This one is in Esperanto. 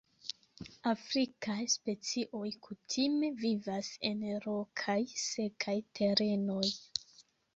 Afrikaj specioj kutime vivas en rokaj, sekaj terenoj.